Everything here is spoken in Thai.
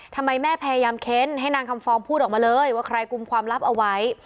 ทำไมแม่พยายามเค้นให้นางคำฟองพูดออกมาเลยว่าใครกลุ่มความลับเอาไว้